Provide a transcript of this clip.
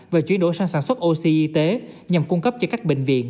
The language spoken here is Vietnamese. và chuyển đổi sang sản xuất oxy y tế nhằm cung cấp cho các bệnh viện